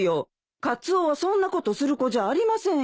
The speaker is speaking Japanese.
カツオはそんなことする子じゃありませんよ。